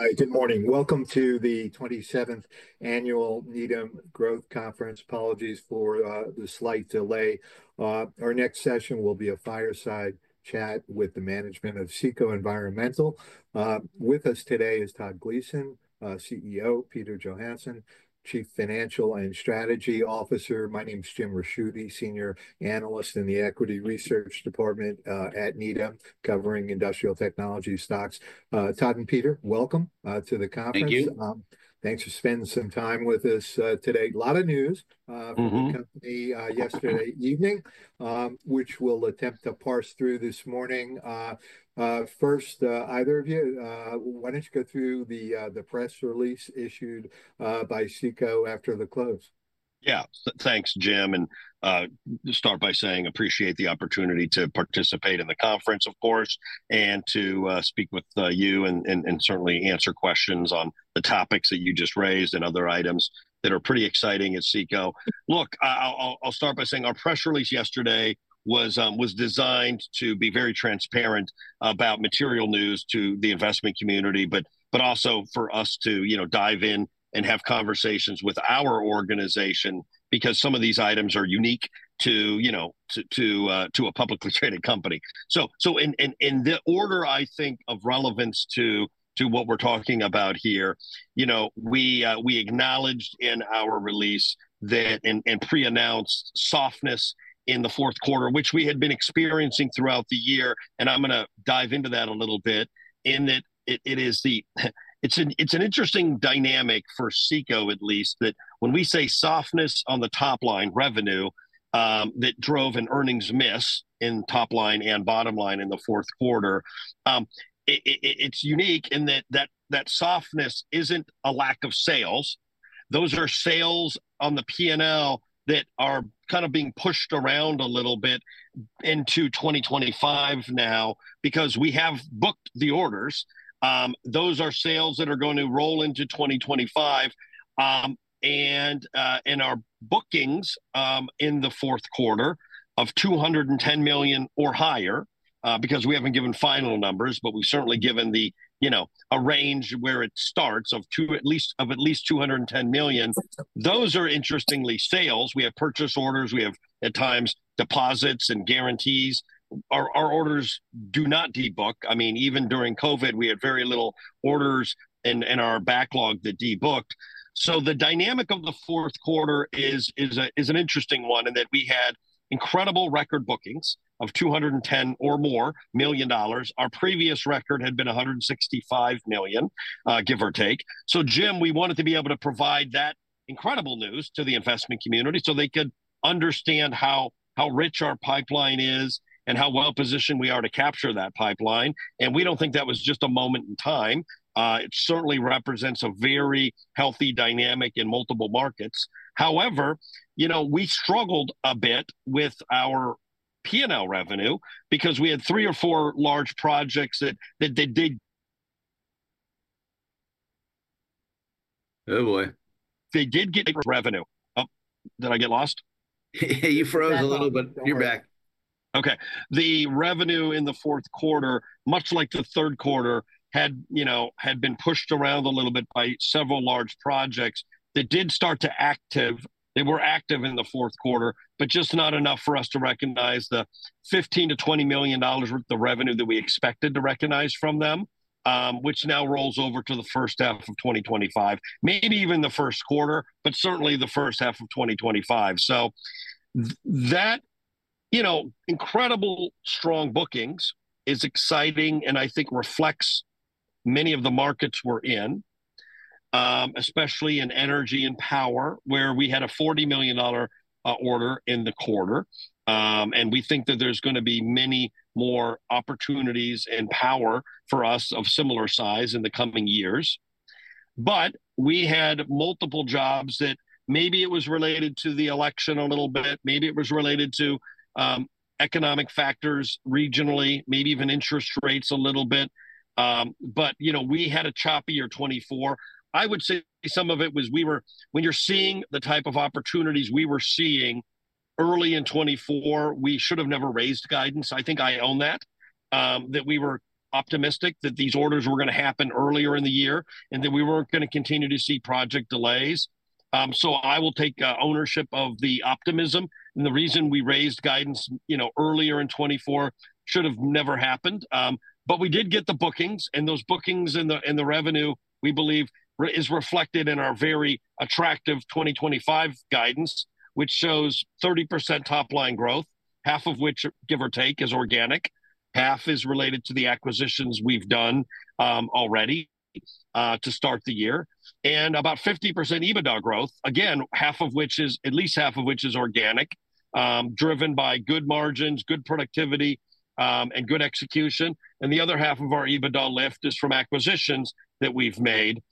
Hi, good morning. Welcome to the 27th annual Needham Growth Conference. Apologies for the slight delay. Our next session will be a fireside chat with the management of CECO Environmental. With us today is Todd Gleason, CEO, Peter Johansson, Chief Financial and Strategy Officer. My name's Jim Ricchiuti, Senior Analyst in the Equity Research Department at Needham, covering industrial technology stocks. Todd and Peter, welcome to the conference. Thanks for spending some time with us today. A lot of news from the company yesterday evening, which we'll attempt to parse through this morning. First, either of you, why don't you go through the press release issued by CECO after the close? Yeah, thanks, Jim. And start by saying I appreciate the opportunity to participate in the conference, of course, and to speak with you and certainly answer questions on the topics that you just raised and other items that are pretty exciting at CECO. Look, I'll start by saying our press release yesterday was designed to be very transparent about material news to the investment community, but also for us to dive in and have conversations with our organization because some of these items are unique to a publicly traded company. So in the order, I think, of relevance to what we're talking about here, we acknowledged in our release that, and pre-announced softness in the fourth quarter, which we had been experiencing throughout the year. And I'm going to dive into that a little bit. It's an interesting dynamic for CECO, at least, that when we say softness on the top line revenue that drove an earnings miss in top line and bottom line in the fourth quarter. It's unique in that that softness isn't a lack of sales. Those are sales on the P&L that are kind of being pushed around a little bit into 2025 now because we have booked the orders. Those are sales that are going to roll into 2025, and in our bookings in the fourth quarter of $210 million or higher, because we haven't given final numbers, but we've certainly given the range where it starts of at least $210 million. Those are interestingly sales. We have purchase orders. We have at times deposits and guarantees. Our orders do not debook. I mean, even during COVID, we had very little orders in our backlog that debooked. So the dynamic of the fourth quarter is an interesting one in that we had incredible record bookings of $210 million or more. Our previous record had been $165 million, give or take. So Jim, we wanted to be able to provide that incredible news to the investment community so they could understand how rich our pipeline is and how well positioned we are to capture that pipeline. And we don't think that was just a moment in time. It certainly represents a very healthy dynamic in multiple markets. However, we struggled a bit with our P&L revenue because we had three or four large projects that they did. Oh boy. They did get revenue. Did I get lost? You froze a little bit. You're back. Okay. The revenue in the fourth quarter, much like the third quarter, had been pushed around a little bit by several large projects that did start to activate. They were active in the fourth quarter, but just not enough for us to recognize the $15 million-$20 million worth of revenue that we expected to recognize from them, which now rolls over to the first half of 2025, maybe even the first quarter, but certainly the first half of 2025. So that incredibly strong bookings is exciting and I think reflects many of the markets we're in, especially in energy and power, where we had a $40 million order in the quarter. And we think that there's going to be many more opportunities in power for us of similar size in the coming years. But we had multiple jobs that maybe it was related to the election a little bit. Maybe it was related to economic factors regionally, maybe even interest rates a little bit. But we had a choppy year 2024. I would say some of it was when you're seeing the type of opportunities we were seeing early in 2024, we should have never raised guidance. I think I own that, that we were optimistic that these orders were going to happen earlier in the year and that we weren't going to continue to see project delays. So I will take ownership of the optimism. And the reason we raised guidance earlier in 2024 should have never happened. But we did get the bookings. Those bookings and the revenue, we believe, are reflected in our very attractive 2025 guidance, which shows 30% top line growth, half of which, give or take, is organic. Half is related to the acquisitions we've done already to start the year. About 50% EBITDA growth, again, half of which is at least half of which is organic, driven by good margins, good productivity, and good execution. The other half of our EBITDA lift is from acquisitions that we've made.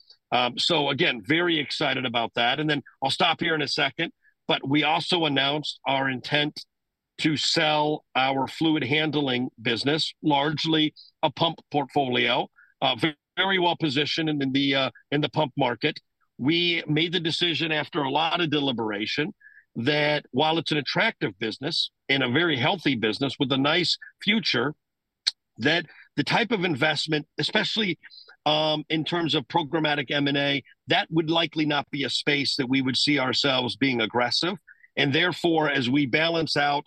So again, very excited about that. Then I'll stop here in a second, but we also announced our intent to sell our Fluid Handling business, largely a pump portfolio, very well positioned in the pump market. We made the decision after a lot of deliberation that while it's an attractive business and a very healthy business with a nice future, that the type of investment, especially in terms of programmatic M&A, would likely not be a space that we would see ourselves being aggressive, and therefore, as we balance out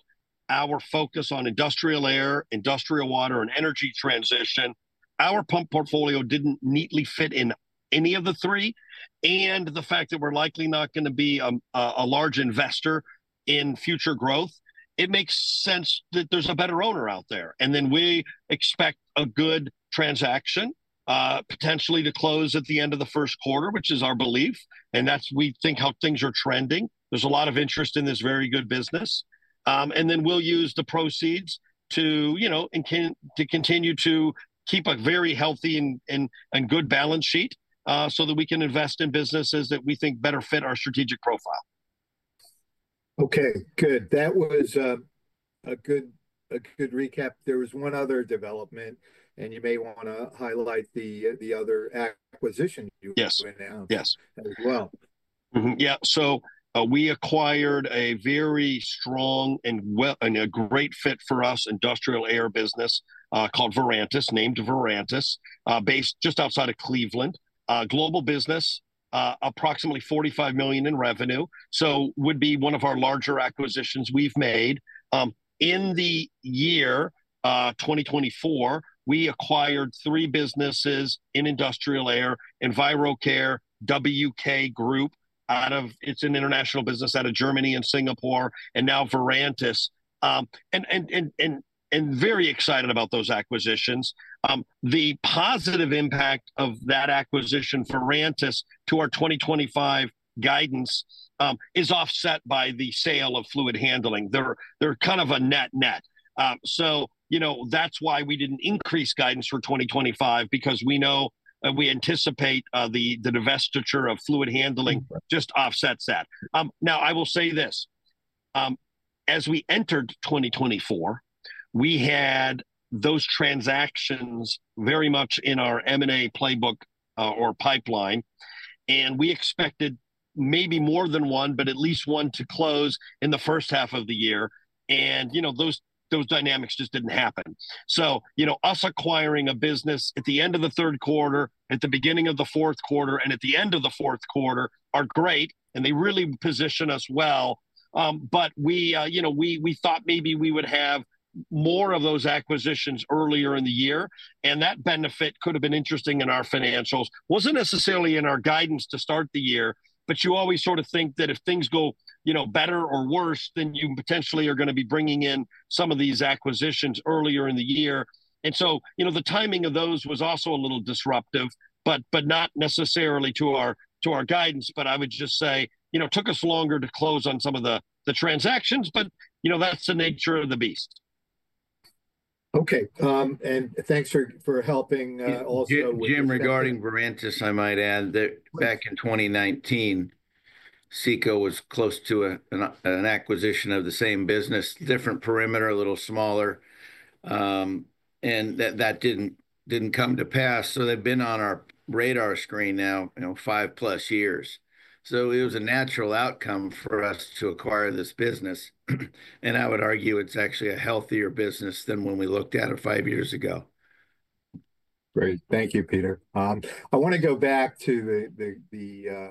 our focus on Industrial Air, Industrial Water, and Energy Transition, our pump portfolio didn't neatly fit in any of the three, and the fact that we're likely not going to be a large investor in future growth makes sense that there's a better owner out there, and then we expect a good transaction potentially to close at the end of the first quarter, which is our belief, and that's, we think, how things are trending. There's a lot of interest in this very good business. And then we'll use the proceeds to continue to keep a very healthy and good balance sheet so that we can invest in businesses that we think better fit our strategic profile. Okay, good. That was a good recap. There was one other development, and you may want to highlight the other acquisition you went after as well. Yes. Yeah. So we acquired a very strong and a great fit for us industrial air business called Verantis, named Verantis, based just outside of Cleveland, global business, approximately $45 million in revenue. So [it] would be one of our larger acquisitions we've made. In the year 2024, we acquired three businesses in industrial air, EnviroCare, WK Group out of. It's an international business out of Germany and Singapore, and now Verantis. We are very excited about those acquisitions. The positive impact of that acquisition, Verantis, to our 2025 guidance is offset by the sale of Fluid Handling. They're kind of a net net. That's why we didn't increase guidance for 2025 because we know and we anticipate the divestiture of Fluid Handling just offsets that. Now, I will say this. As we entered 2024, we had those transactions very much in our M&A playbook or pipeline. We expected maybe more than one, but at least one to close in the first half of the year. Those dynamics just didn't happen. Us acquiring a business at the end of the third quarter, at the beginning of the fourth quarter, and at the end of the fourth quarter are great, and they really position us well. We thought maybe we would have more of those acquisitions earlier in the year. That benefit could have been interesting in our financials. Wasn't necessarily in our guidance to start the year, but you always sort of think that if things go better or worse, then you potentially are going to be bringing in some of these acquisitions earlier in the year. So the timing of those was also a little disruptive, but not necessarily to our guidance. But I would just say it took us longer to close on some of the transactions, but that's the nature of the beast. Okay, and thanks for helping also with. Jim, regarding Verantis, I might add that back in 2019, CECO was close to an acquisition of the same business, different perimeter, a little smaller. And that didn't come to pass. So they've been on our radar screen now five plus years. So it was a natural outcome for us to acquire this business. And I would argue it's actually a healthier business than when we looked at it five years ago. Great. Thank you, Peter. I want to go back to the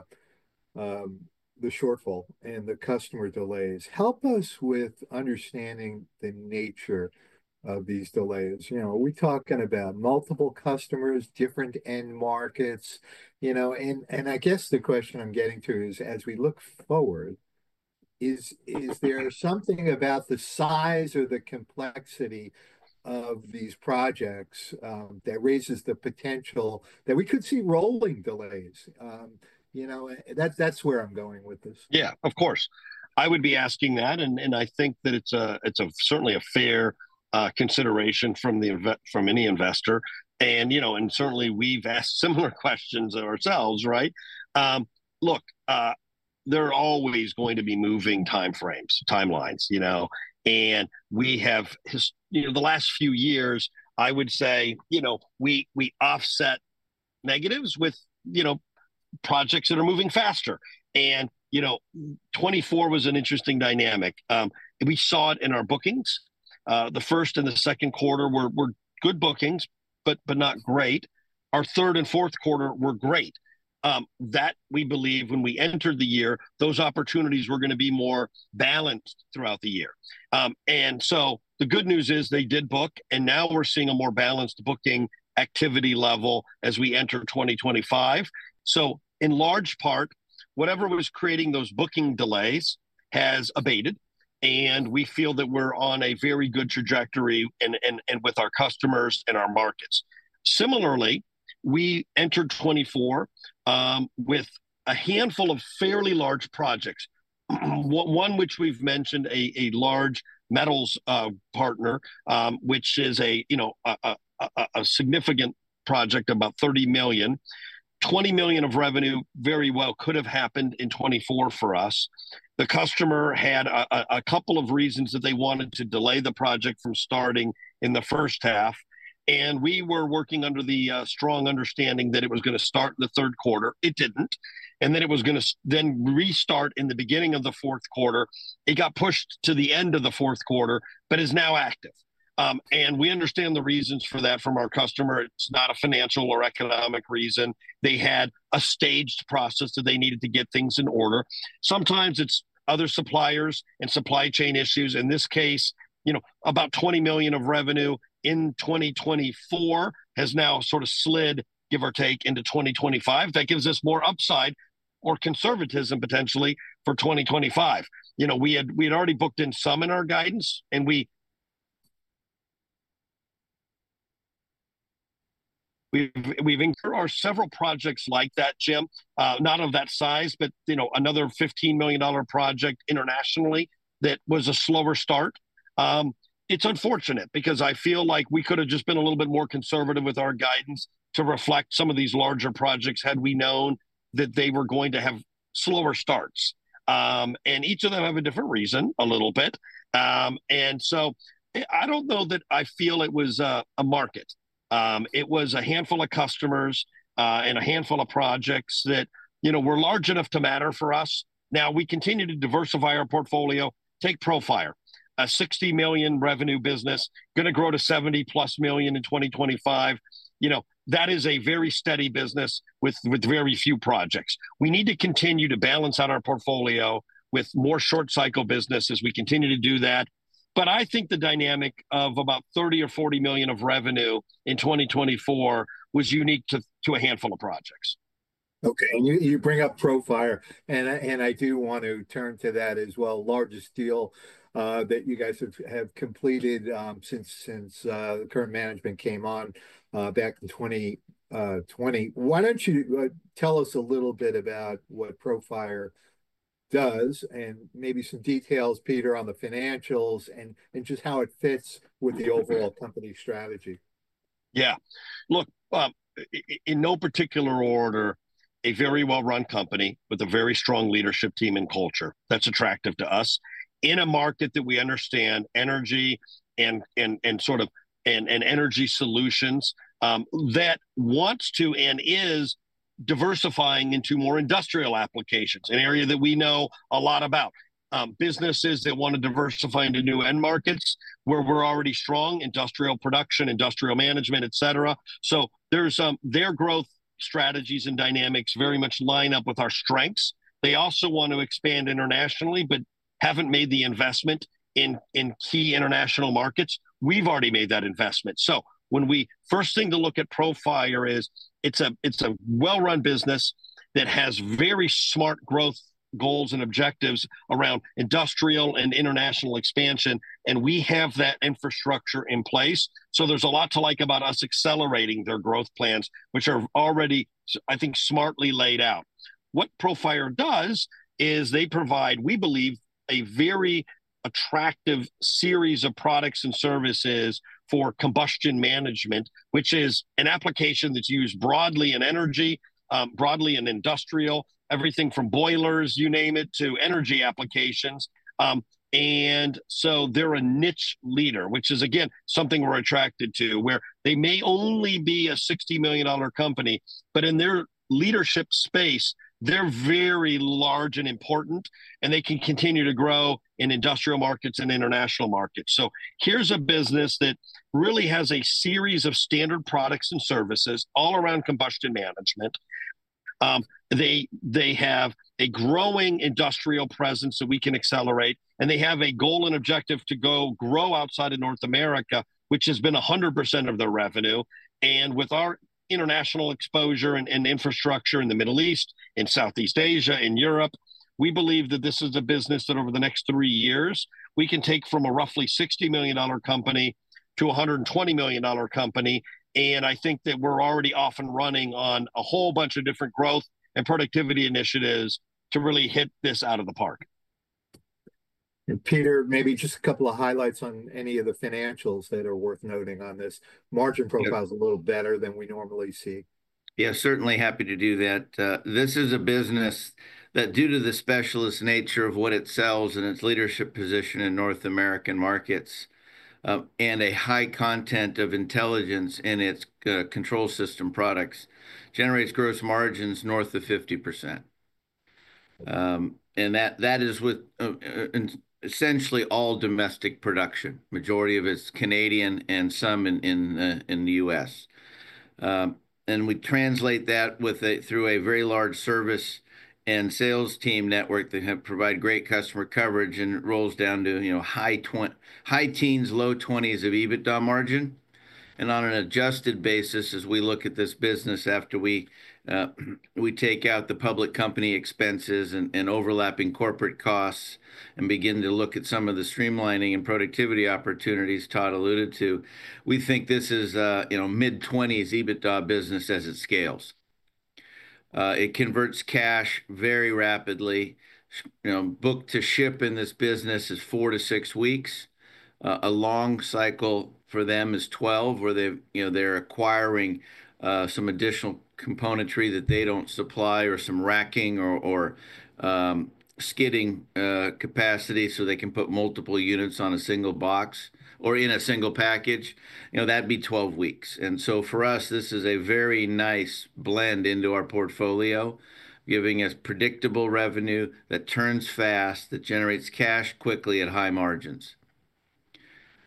shortfall and the customer delays. Help us with understanding the nature of these delays. Are we talking about multiple customers, different end markets? And I guess the question I'm getting to is, as we look forward, is there something about the size or the complexity of these projects that raises the potential that we could see rolling delays? That's where I'm going with this. Yeah, of course. I would be asking that. And I think that it's certainly a fair consideration from any investor. And certainly we've asked similar questions ourselves, right? Look, there are always going to be moving timeframes, timelines. And we have the last few years, I would say we offset negatives with projects that are moving faster. And 2024 was an interesting dynamic. We saw it in our bookings. The first and the second quarter were good bookings, but not great. Our third and fourth quarter were great. That we believe when we entered the year, those opportunities were going to be more balanced throughout the year. And so the good news is they did book. And now we're seeing a more balanced booking activity level as we enter 2025. So in large part, whatever was creating those booking delays has abated. We feel that we're on a very good trajectory with our customers and our markets. Similarly, we entered 2024 with a handful of fairly large projects, one which we've mentioned, a large metals partner, which is a significant project, about $30 million, $20 million of revenue, very well could have happened in 2024 for us. The customer had a couple of reasons that they wanted to delay the project from starting in the first half. We were working under the strong understanding that it was going to start in the third quarter. It didn't. It was going to then restart in the beginning of the fourth quarter. It got pushed to the end of the fourth quarter, but is now active. We understand the reasons for that from our customer. It's not a financial or economic reason. They had a staged process that they needed to get things in order. Sometimes it's other suppliers and supply chain issues. In this case, about $20 million of revenue in 2024 has now sort of slid, give or take, into 2025. That gives us more upside or conservatism potentially for 2025. We had already booked some in our guidance, and we've incurred several projects like that, Jim, not of that size, but another $15 million project internationally that was a slower start. It's unfortunate because I feel like we could have just been a little bit more conservative with our guidance to reflect some of these larger projects had we known that they were going to have slower starts, and each of them have a different reason a little bit, and so I don't know that I feel it was a market. It was a handful of customers and a handful of projects that were large enough to matter for us. Now we continue to diversify our portfolio, take Profire, a $60 million revenue business, going to grow to $70 million plus in 2025. That is a very steady business with very few projects. We need to continue to balance out our portfolio with more short-cycle business as we continue to do that. But I think the dynamic of about $30 million or $40 million of revenue in 2024 was unique to a handful of projects. Okay. And you bring up Profire. And I do want to turn to that as well, largest deal that you guys have completed since the current management came on back in 2020. Why don't you tell us a little bit about what Profire does and maybe some details, Peter, on the financials and just how it fits with the overall company strategy? Yeah. Look, in no particular order, a very well-run company with a very strong leadership team and culture. That's attractive to us. In a market that we understand, energy and sort of energy solutions that wants to and is diversifying into more industrial applications, an area that we know a lot about, businesses that want to diversify into new end markets where we're already strong, industrial production, industrial management, etc. So their growth strategies and dynamics very much line up with our strengths. They also want to expand internationally, but haven't made the investment in key international markets. We've already made that investment. So the first thing to look at Profire is it's a well-run business that has very smart growth goals and objectives around industrial and international expansion. And we have that infrastructure in place. So there's a lot to like about us accelerating their growth plans, which are already, I think, smartly laid out. What Profire does is they provide, we believe, a very attractive series of products and services for combustion management, which is an application that's used broadly in energy, broadly in industrial, everything from boilers, you name it, to energy applications. And so they're a niche leader, which is, again, something we're attracted to, where they may only be a $60 million company, but in their leadership space, they're very large and important, and they can continue to grow in industrial markets and international markets. So here's a business that really has a series of standard products and services all around combustion management. They have a growing industrial presence that we can accelerate. And they have a goal and objective to go grow outside of North America, which has been 100% of their revenue. And with our international exposure and infrastructure in the Middle East, in Southeast Asia, in Europe, we believe that this is a business that over the next three years, we can take from a roughly $60 million company to a $120 million company. And I think that we're already off and running on a whole bunch of different growth and productivity initiatives to really hit this out of the park. Peter, maybe just a couple of highlights on any of the financials that are worth noting on this. Margin profile is a little better than we normally see. Yeah, certainly happy to do that. This is a business that, due to the specialist nature of what it sells and its leadership position in North American markets and a high content of intelligence in its control system products, generates gross margins north of 50%. And that is with essentially all domestic production, majority of its Canadian and some in the U.S. And we translate that through a very large service and sales team network that provide great customer coverage and rolls down to high teens-low 20s EBITDA margin. And on an adjusted basis, as we look at this business after we take out the public company expenses and overlapping corporate costs and begin to look at some of the streamlining and productivity opportunities Todd alluded to, we think this is mid-20s EBITDA business as it scales. It converts cash very rapidly. Book-to-ship in this business is four to six weeks. A long cycle for them is 12, where they're acquiring some additional componentry that they don't supply or some racking or skidding capacity so they can put multiple units on a single box or in a single package. That'd be 12 weeks. And so for us, this is a very nice blend into our portfolio, giving us predictable revenue that turns fast, that generates cash quickly at high margins.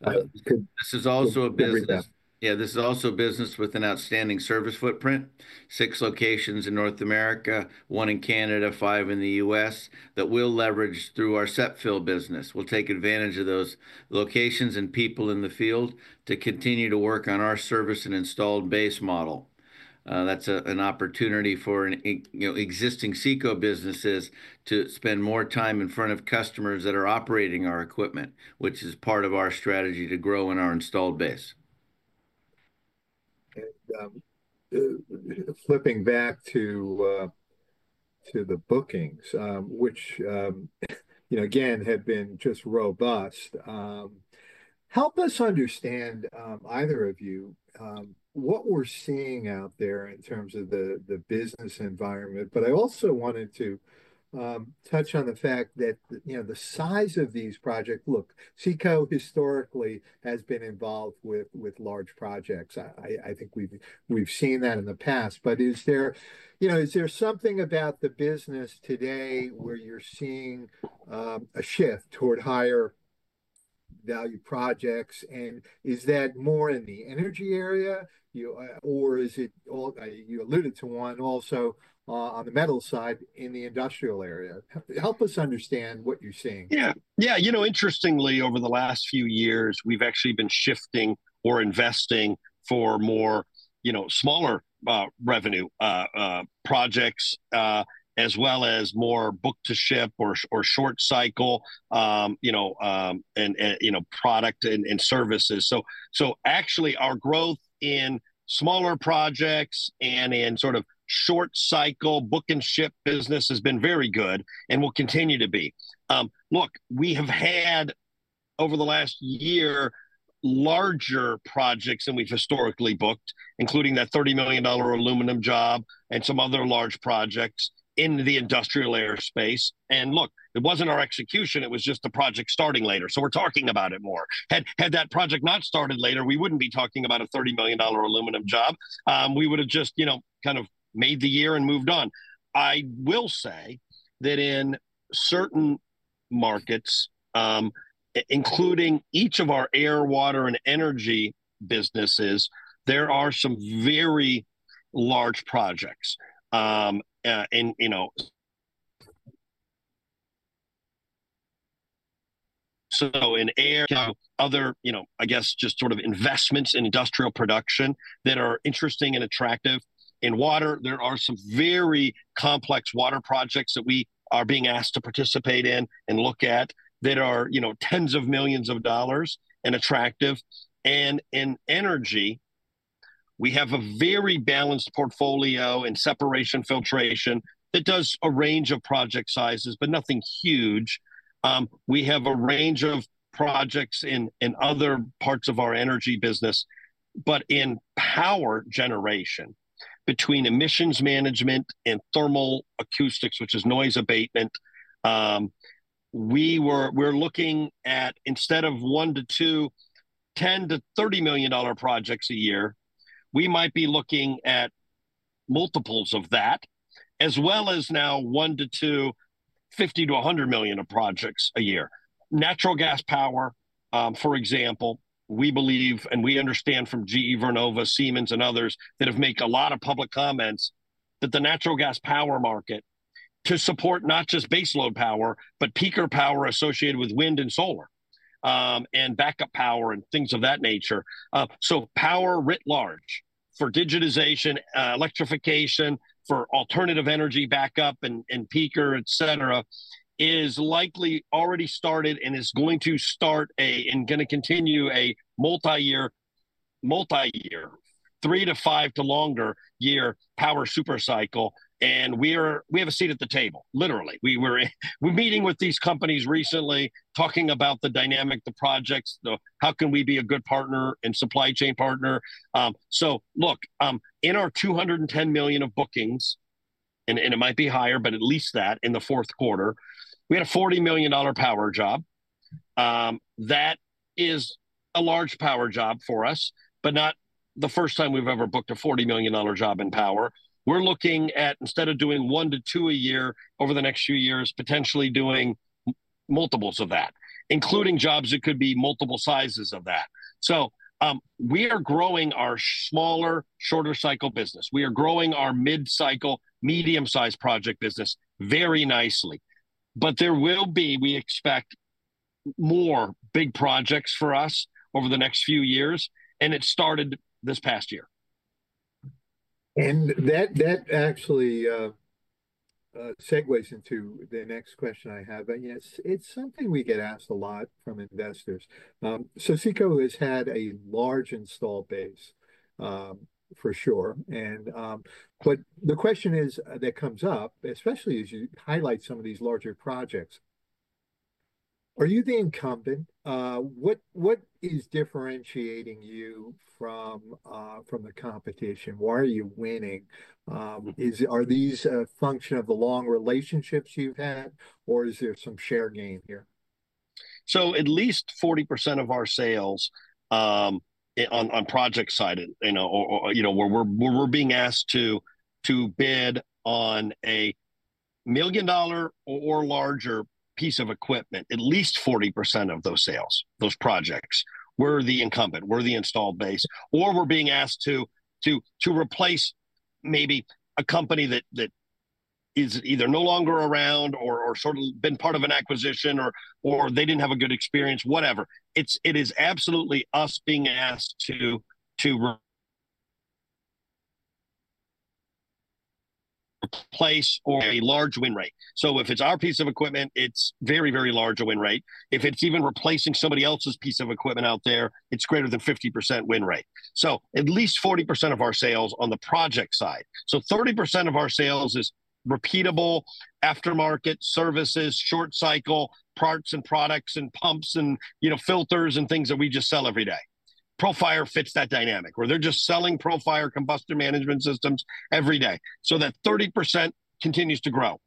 This is also a business. Yeah, this is also a business with an outstanding service footprint, six locations in North America, one in Canada, five in the U.S. that we'll leverage through our SepFil business. We'll take advantage of those locations and people in the field to continue to work on our service and installed base model. That's an opportunity for existing CECO businesses to spend more time in front of customers that are operating our equipment, which is part of our strategy to grow in our installed base. And flipping back to the bookings, which again had been just robust. Help us understand, either of you, what we're seeing out there in terms of the business environment. But I also wanted to touch on the fact that the size of these projects. Look, CECO historically has been involved with large projects. I think we've seen that in the past. But is there something about the business today where you're seeing a shift toward higher value projects? And is that more in the energy area, or is it all? You alluded to one also on the metal side in the industrial area. Help us understand what you're seeing. Yeah. Yeah. You know, interestingly, over the last few years, we've actually been shifting or investing for smaller revenue projects as well as more book-to-ship or short cycle and product and services, so actually, our growth in smaller projects and in sort of short cycle book and ship business has been very good and will continue to be. Look, we have had over the last year larger projects than we've historically booked, including that $30 million aluminum job and some other large projects in the industrial air space, and look, it wasn't our execution. It was just the project starting later, so we're talking about it more. Had that project not started later, we wouldn't be talking about a $30 million aluminum job. We would have just kind of made the year and moved on. I will say that in certain markets, including each of our air, water, and energy businesses, there are some very large projects, so in air, other, I guess, just sort of investments in industrial production that are interesting and attractive. In water, there are some very complex water projects that we are being asked to participate in and look at that are tens of millions of dollars and attractive, and in energy, we have a very balanced portfolio in separation filtration that does a range of project sizes, but nothing huge. We have a range of projects in other parts of our energy business, but in power generation between emissions management and Thermal Acoustics, which is noise abatement, we're looking at instead of one to two $10-$30 million projects a year, we might be looking at multiples of that, as well as now one to two $50 million-$100 million projects a year. Natural gas power, for example, we believe and we understand from GE Vernova, Siemens, and others that have made a lot of public comments that the natural gas power market to support not just baseload power, but peaker power associated with wind and solar and backup power and things of that nature. Power writ large for digitization, electrification, for alternative energy backup and peaker, etc., is likely already started and is going to start and going to continue a multi-year, three- to five- to longer-year power supercycle. And we have a seat at the table, literally. We're meeting with these companies recently, talking about the dynamic, the projects, how can we be a good partner and supply chain partner. So look, in our $210 million of bookings, and it might be higher, but at least that in the fourth quarter, we had a $40 million power job. That is a large power job for us, but not the first time we've ever booked a $40 million job in power. We're looking at instead of doing one to two a year over the next few years, potentially doing multiples of that, including jobs that could be multiple sizes of that. So we are growing our smaller, shorter cycle business. We are growing our mid-cycle, medium-sized project business very nicely. But there will be, we expect more big projects for us over the next few years, and it started this past year. That actually segues into the next question I have. It's something we get asked a lot from investors. CECO has had a large installed base, for sure. The question that comes up, especially as you highlight some of these larger projects, are you the incumbent? What is differentiating you from the competition? Why are you winning? Are these a function of the long relationships you've had, or is there some share gain here? At least 40% of our sales on project side, where we're being asked to bid on a $1 million or larger piece of equipment, at least 40% of those sales, those projects, we're the incumbent, we're the installed base. Or we're being asked to replace maybe a company that is either no longer around or sort of been part of an acquisition, or they didn't have a good experience, whatever. It is absolutely us being asked to replace or a large win rate. So if it's our piece of equipment, it's very, very large a win rate. If it's even replacing somebody else's piece of equipment out there, it's greater than 50% win rate. So at least 40% of our sales on the project side. So 30% of our sales is repeatable aftermarket services, short cycle, parts and products and pumps and filters and things that we just sell every day. Profire fits that dynamic, where they're just selling Profire combustion management systems every day. So that 30% continues to grow.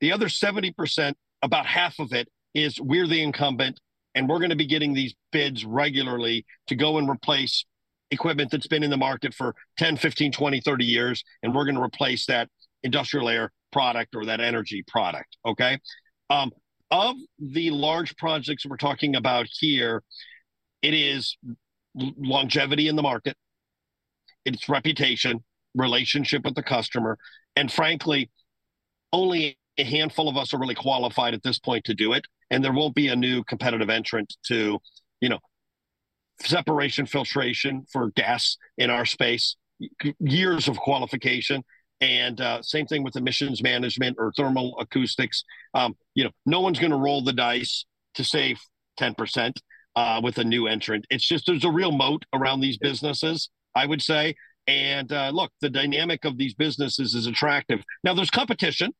The other 70%, about half of it, is we're the incumbent, and we're going to be getting these bids regularly to go and replace equipment that's been in the market for 10, 15, 20, 30 years, and we're going to replace that industrial air product or that energy product. Okay? Of the large projects we're talking about here, it is longevity in the market, its reputation, relationship with the customer. And frankly, only a handful of us are really qualified at this point to do it. And there won't be a new competitive entrant to separation filtration for gas in our space. Years of qualification. And same thing with emissions management or Thermal Acoustics. No one's going to roll the dice to save 10% with a new entrant. It's just there's a real moat around these businesses, I would say. And look, the dynamic of these businesses is attractive. Now, there's competition,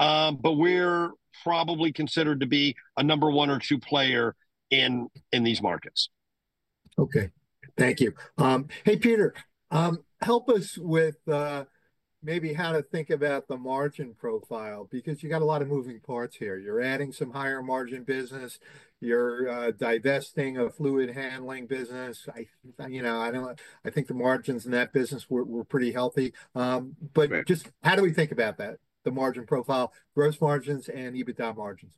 but we're probably considered to be a number one or two player in these markets. Okay. Thank you. Hey, Peter, help us with maybe how to think about the margin profile, because you've got a lot of moving parts here. You're adding some higher margin business. You're divesting a Fluid Handling business. I think the margins in that business were pretty healthy. But just how do we think about that, the margin profile, gross margins, and EBITDA margins?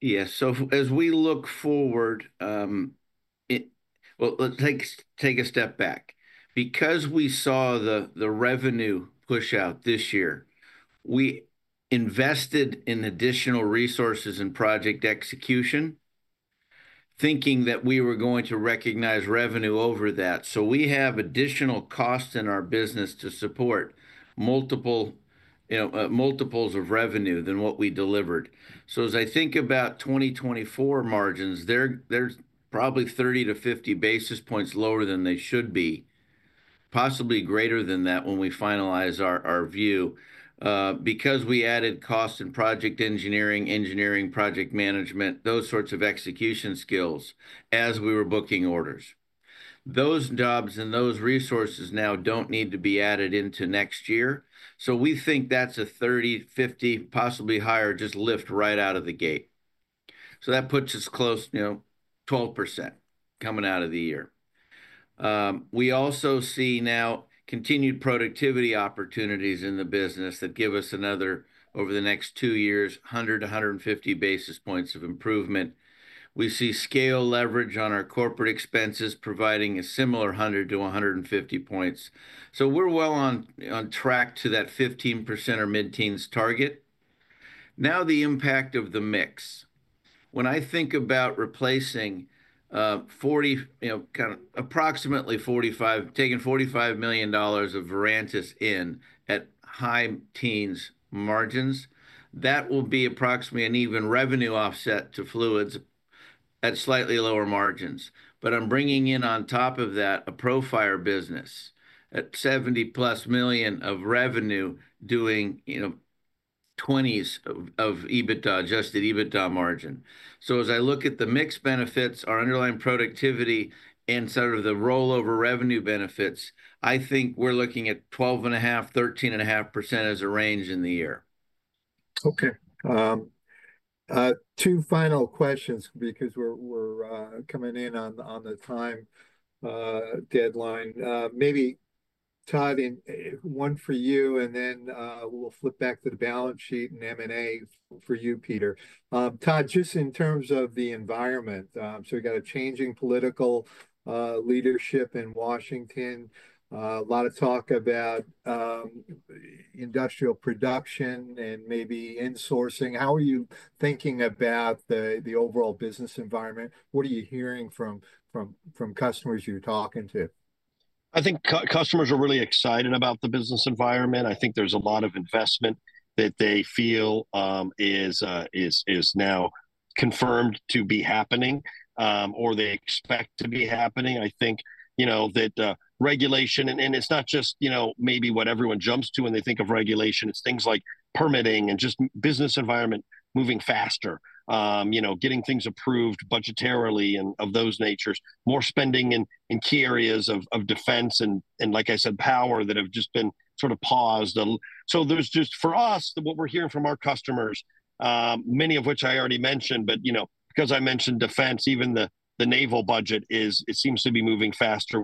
Yeah. So as we look forward, well, let's take a step back. Because we saw the revenue push out this year, we invested in additional resources and project execution, thinking that we were going to recognize revenue over that. So we have additional costs in our business to support multiples of revenue than what we delivered. So as I think about 2024 margins, they're probably 30 basis points-50 basis points lower than they should be, possibly greater than that when we finalize our view, because we added costs in project engineering, project management, those sorts of execution skills as we were booking orders. Those jobs and those resources now don't need to be added into next year. So we think that's a 30-50, possibly higher just lift right out of the gate. So that puts us close to 12% coming out of the year. We also see now continued productivity opportunities in the business that give us another, over the next two years, 100 basis points to 150 basis points of improvement. We see scale leverage on our corporate expenses providing a similar 100 points to 150 points. So we're well on track to that 15% or mid-teens target. Now, the impact of the mix. When I think about replacing approximately $45 million, taking $45 million of Verantis in at high teens margins, that will be approximately an even revenue offset to fluids at slightly lower margins. But I'm bringing in on top of that a Profire business at $70+ million of revenue doing 20s adjusted EBITDA margin. So as I look at the mixed benefits, our underlying productivity, and sort of the rollover revenue benefits, I think we're looking at 12.5%-13.5% as a range in the year. Okay. Two final questions because we're coming in on the time deadline. Maybe Todd, one for you, and then we'll flip back to the balance sheet and M&A for you, Peter. Todd, just in terms of the environment, so we've got a changing political leadership in Washington, a lot of talk about industrial production and maybe insourcing. How are you thinking about the overall business environment? What are you hearing from customers you're talking to? I think customers are really excited about the business environment. I think there's a lot of investment that they feel is now confirmed to be happening or they expect to be happening. I think that regulation, and it's not just maybe what everyone jumps to when they think of regulation. It's things like permitting and just business environment moving faster, getting things approved budgetarily and of those natures, more spending in key areas of defense and, like I said, power that have just been sort of paused. So there's just, for us, what we're hearing from our customers, many of which I already mentioned, but because I mentioned defense, even the naval budget, it seems to be moving faster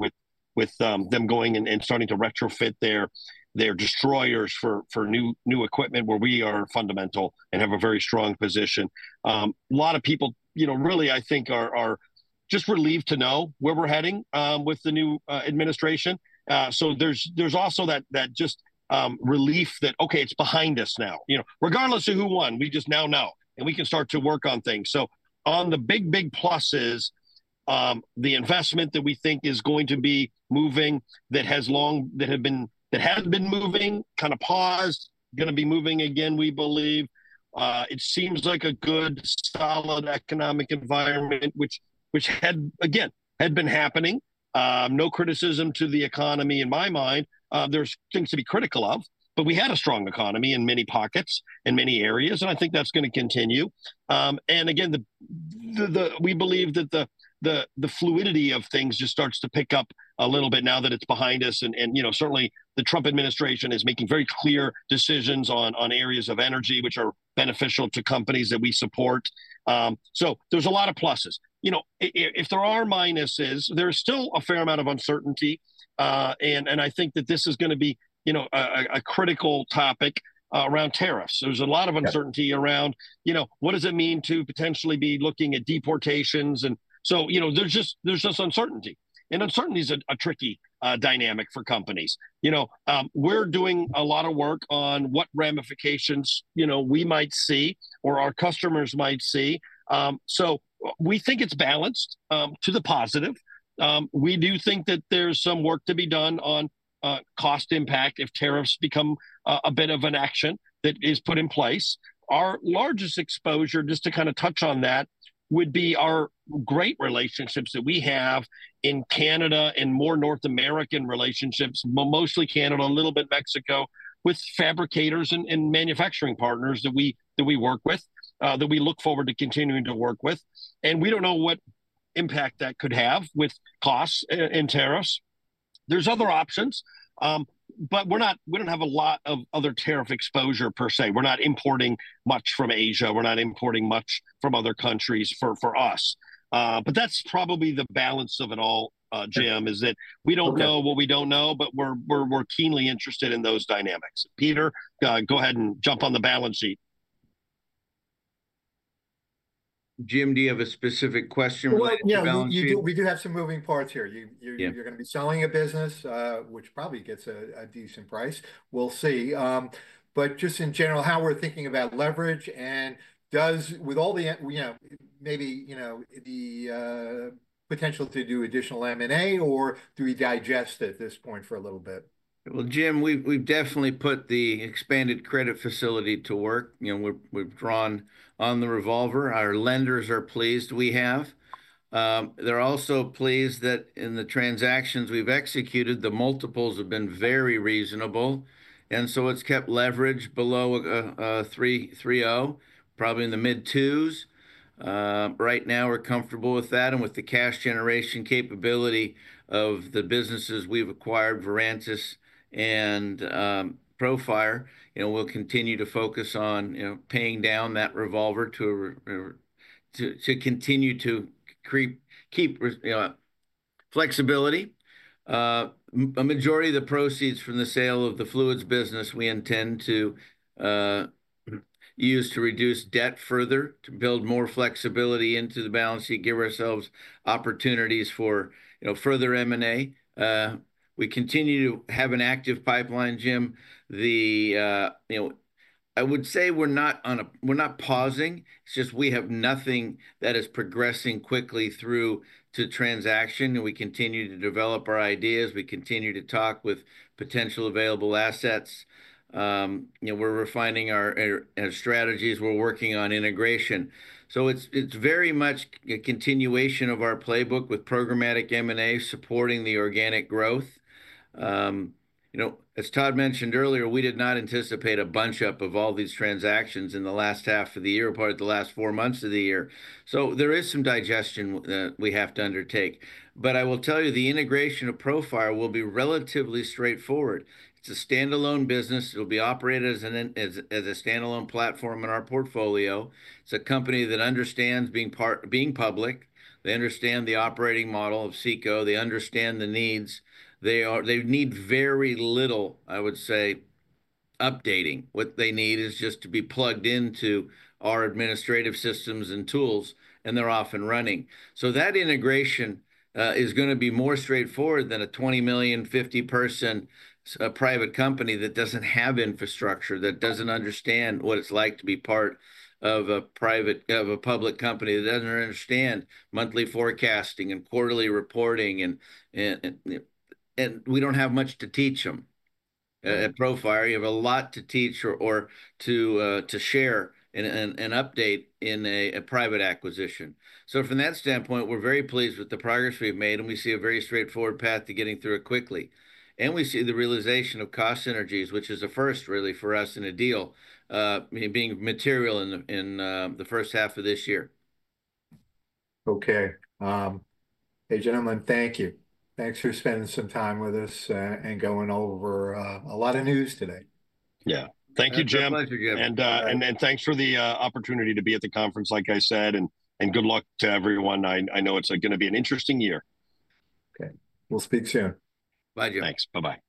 with them going and starting to retrofit their destroyers for new equipment where we are fundamental and have a very strong position. A lot of people really, I think, are just relieved to know where we're heading with the new administration. So there's also that just relief that, okay, it's behind us now. Regardless of who won, we just now know, and we can start to work on things. So on the big, big pluses, the investment that we think is going to be moving, that has long, that has been moving, kind of paused, going to be moving again, we believe. It seems like a good, solid economic environment, which had, again, been happening. No criticism to the economy in my mind. There's things to be critical of, but we had a strong economy in many pockets and many areas, and I think that's going to continue, and again, we believe that the fluidity of things just starts to pick up a little bit now that it's behind us. Certainly, the Trump administration is making very clear decisions on areas of energy which are beneficial to companies that we support. There's a lot of pluses. If there are minuses, there's still a fair amount of uncertainty. I think that this is going to be a critical topic around tariffs. There's a lot of uncertainty around what does it mean to potentially be looking at deportations. There's just uncertainty. Uncertainty is a tricky dynamic for companies. We're doing a lot of work on what ramifications we might see or our customers might see. We think it's balanced to the positive. We do think that there's some work to be done on cost impact if tariffs become a bit of an action that is put in place. Our largest exposure, just to kind of touch on that, would be our great relationships that we have in Canada and more North American relationships, mostly Canada, a little bit Mexico, with fabricators and manufacturing partners that we work with, that we look forward to continuing to work with. And we don't know what impact that could have with costs and tariffs. There's other options, but we don't have a lot of other tariff exposure per se. We're not importing much from Asia. We're not importing much from other countries for us. But that's probably the balance of it all, Jim, is that we don't know what we don't know, but we're keenly interested in those dynamics. Peter, go ahead and jump on the balance sheet. Jim, do you have a specific question for the balance sheet? We do have some moving parts here. You're going to be selling a business, which probably gets a decent price. We'll see. But just in general, how we're thinking about leverage and with all the maybe the potential to do additional M&A, or do we digest at this point for a little bit? Well, Jim, we've definitely put the expanded credit facility to work. We've drawn on the revolver. Our lenders are pleased we have. They're also pleased that in the transactions we've executed, the multiples have been very reasonable. And so it's kept leverage below 3.0, probably in the mid-twos. Right now, we're comfortable with that. And with the cash generation capability of the businesses we've acquired, Verantis and Profire, we'll continue to focus on paying down that revolver to continue to keep flexibility. A majority of the proceeds from the sale of the fluids business we intend to use to reduce debt further, to build more flexibility into the balance sheet, give ourselves opportunities for further M&A. We continue to have an active pipeline, Jim. I would say we're not pausing. It's just we have nothing that is progressing quickly through to transaction. And we continue to develop our ideas. We continue to talk with potential available assets. We're refining our strategies. We're working on integration, so it's very much a continuation of our playbook with programmatic M&A supporting the organic growth. As Todd mentioned earlier, we did not anticipate a bunch-up of all these transactions in the last half of the year, part of the last four months of the year, so there is some digestion that we have to undertake, but I will tell you, the integration of Profire will be relatively straightforward. It's a standalone business. It'll be operated as a standalone platform in our portfolio. It's a company that understands being public. They understand the operating model of CECO. They understand the needs. They need very little, I would say, updating. What they need is just to be plugged into our administrative systems and tools, and they're off and running. So that integration is going to be more straightforward than a $20 million, 50-person private company that doesn't have infrastructure, that doesn't understand what it's like to be part of a public company, that doesn't understand monthly forecasting and quarterly reporting. And we don't have much to teach them at Profire. You have a lot to teach or to share and update in a private acquisition. So from that standpoint, we're very pleased with the progress we've made, and we see a very straightforward path to getting through it quickly. And we see the realization of cost synergies, which is a first, really, for us in a deal being material in the first half of this year. Okay. Hey, gentlemen, thank you. Thanks for spending some time with us and going over a lot of news today. Yeah. Thank you, Jim. My pleasure, Jim. Thanks for the opportunity to be at the conference, like I said. Good luck to everyone. I know it's going to be an interesting year. Okay. We'll speak soon. Thank you. Thanks. Bye-bye.